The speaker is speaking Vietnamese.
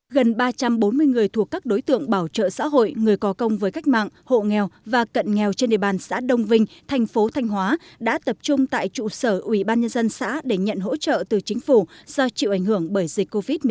gần ba trăm bốn mươi người thuộc các đối tượng bảo trợ xã hội người có công với cách mạng hộ nghèo và cận nghèo trên địa bàn xã đông vinh thành phố thanh hóa đã tập trung tại trụ sở ủy ban nhân dân xã để nhận hỗ trợ từ chính phủ do chịu ảnh hưởng bởi dịch covid một mươi chín